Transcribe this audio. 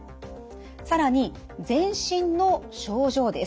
更に全身の症状です。